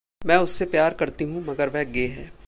मैं उससे प्यार करती हूं, मगर वह गे है।